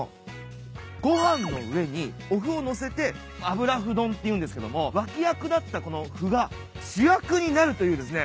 ご飯の上におふを載せて油ふ丼っていうんですけども脇役だったこのふが主役になるというですね